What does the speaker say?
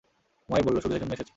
উমাইর বলল, শুধু এজন্যই এসেছি।